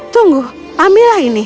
tunggu ambillah ini